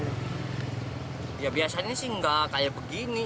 ya biasanya sih nggak kayak begini